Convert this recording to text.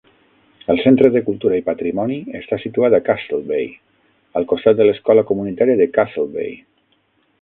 El Centre de Cultura i Patrimoni està situat a Castlebay, al costat de l'escola comunitària de Castlebay.